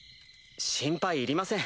心配いりません